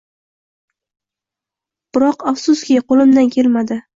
biroq, afsuski, qo'limdan kelmadi.